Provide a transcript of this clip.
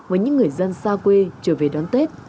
với những người dân xa quê trở về đón tết